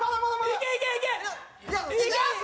いけいけいけ！